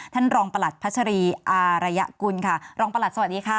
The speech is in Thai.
ท่านรองประหลัดพัชรีอารยกุลค่ะรองประหลัดสวัสดีค่ะ